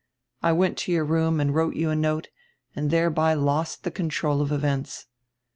I went to your room and wrote you a note and thereby lost the control of events.